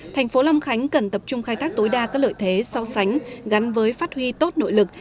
tp lâm khánh cần tập trung khai tác tối đa các lợi thế so sánh gắn với phát huy tốt nội lực